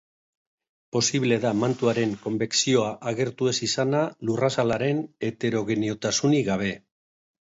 Posible da mantuaren konbekzioa agertu ez izana lurrazalaren heterogeneotasunik gabe.